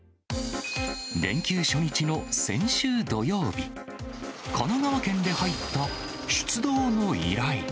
連休初日の先週土曜日、神奈川県で入った出動の依頼。